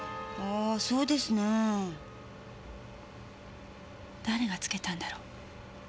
あそうですねぇ。誰がつけたんだろう？